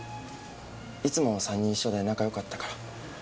いつも３人一緒で仲良かったから。